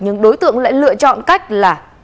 nhưng đối tượng lại lựa chọn cách là